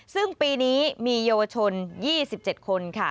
ซึ่งปีนี้มีเยาวชน๒๗คนค่ะ